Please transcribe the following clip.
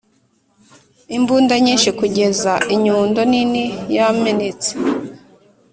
imbunda nyinshi kugeza inyundo nini yamenetse